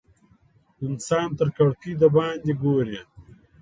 انسان تر کړکۍ د باندې ګوري.